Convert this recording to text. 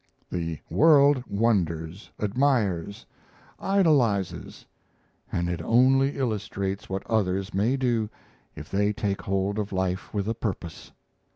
The world wonders, admires, idolizes, and it only illustrates what others may do if they take hold of life with a purpose.